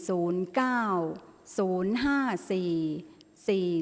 ออกรางวัลที่๖